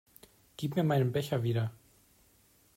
Gib mir meinen Becher wieder!